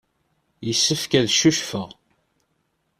Yessefk ad ccucfeɣ.